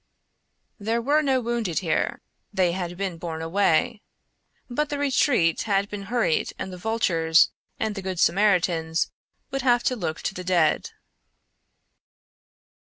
There were no wounded here; they had been borne away. But the retreat had been hurried and the vultures and the good Samaritans would have to look to the dead.